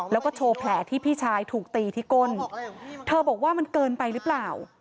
แล้วก็โชว์แผลที่พี่ชายถูกตีที่ก้นเธอบอกว่ามันเกินไปหรือเปล่า